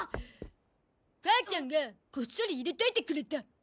母ちゃんがこっそり入れといてくれた。